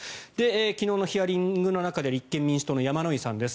昨日のヒアリングの中で立憲民主党の山井さんです。